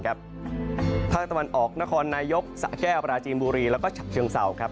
ภาคตะวันออกนครนายกสะแก้วปราจีนบุรีแล้วก็ฉะเชิงเศร้าครับ